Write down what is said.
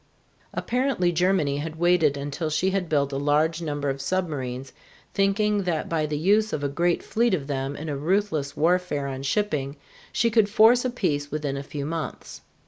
Apparently Germany had waited until she had built a large number of submarines, thinking that by the use of a great fleet of them in a ruthless warfare on shipping she could force a peace within a few months.